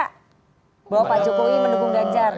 bahwa pak jokowi mendukung ganjar